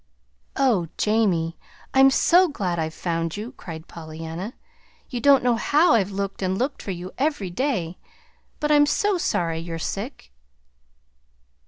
"Oh, Jamie, I'm so glad I've found you," cried Pollyanna. "You don't know how I've looked and looked for you every day. But I'm so sorry you're sick!"